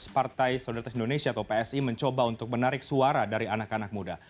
partai solidaritas indonesia atau psi mencoba untuk menarik suara dari anak anak muda